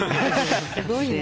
すごいな。